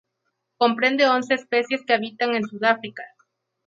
Comprende once especies que habitan en Sudáfrica.